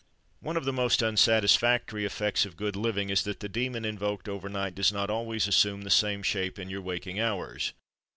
One of the most unsatisfactory effects of good living is that the demon invoked over night does not always assume the same shape in your waking hours.